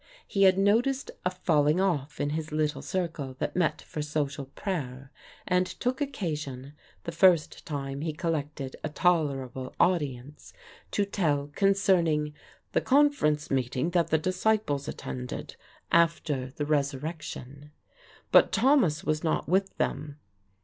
He had noticed a falling off in his little circle that met for social prayer, and took occasion, the first time he collected a tolerable audience, to tell concerning "the conference meeting that the disciples attended" after the resurrection. "But Thomas was not with them."